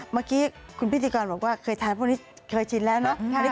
เมื่อกี้คุณพิธีกรบอกว่าเคยทานพวกนี้เคยชินแล้วเนอะ